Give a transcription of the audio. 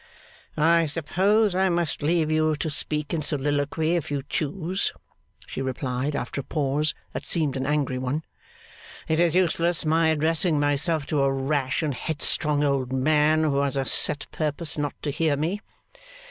'I suppose I must leave you to speak in soliloquy if you choose,' she replied, after a pause that seemed an angry one. 'It is useless my addressing myself to a rash and headstrong old man who has a set purpose not to hear me.